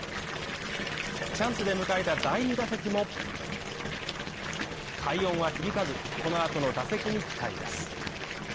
チャンスで迎えた第２打席も快音は響かず、この後の打席に期待です。